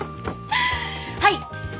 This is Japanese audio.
はい。